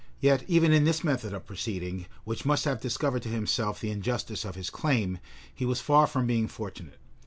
[*] Yet even in this method of proceeding, which must have discovered to himself the injustice of his claim, he was far from being fortunate.